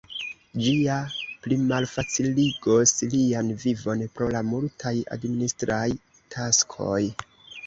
Ĝi ja plimalfaciligos lian vivon pro la multaj administraj taskoj.